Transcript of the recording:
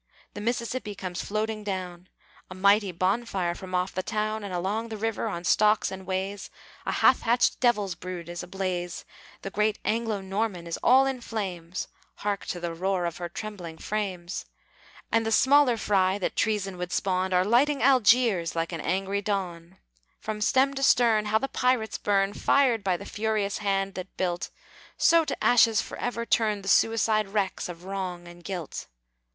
The Mississippi comes floating down, A mighty bonfire from off the town; And along the river, on stocks and ways, A half hatched devil's brood is ablaze, The great Anglo Norman is all in flames (Hark to the roar of her trembling frames!), And the smaller fry that Treason would spawn Are lighting Algiers like an angry dawn! From stem to stern, how the pirates burn, Fired by the furious hands that built! So to ashes forever turn The suicide wrecks of wrong and guilt!